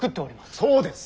そうです。